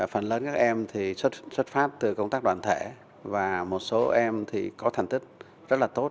phần lớn các em thì xuất phát từ công tác đoàn thể và một số em thì có thành tích rất là tốt